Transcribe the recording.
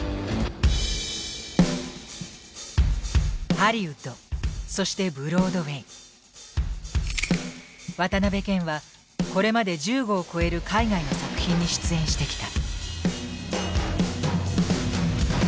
ハリウッドそしてブロードウェイ渡辺謙はこれまで１５を超える海外の作品に出演してきた。